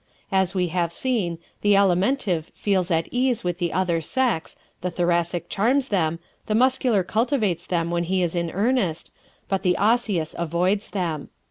As we have seen, the Alimentive feels at ease with the other sex, the Thoracic charms them, the Muscular cultivates them when he is in earnest, but the Osseous avoids them.